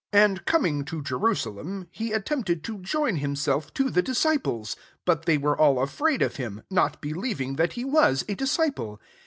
26 And oming to Jerusalem, he at tempted to join himself to the disciples: but they were all afraid of him, not believing that he was a disciple.